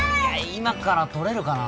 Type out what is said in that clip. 今からとれるかな？